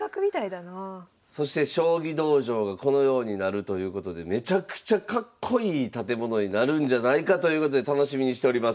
そして将棋道場がこのようになるということでめちゃくちゃかっこいい建物になるんじゃないかということで楽しみにしております。